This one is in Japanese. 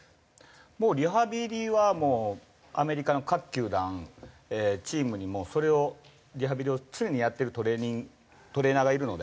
もうリハビリはアメリカの各球団チームにそれをリハビリを常にやってるトレーナーがいるので。